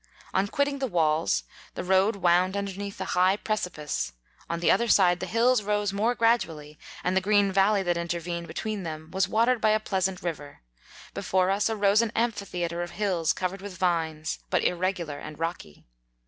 On quitting the walls, the road wound underneath a high precipice; on the other side the hills rose more gradually, and the green val 32 lev that intervened between them was watered by a pleasant river ; before us arose an amphitheatre of hills covered with vines, but irregular and rocky.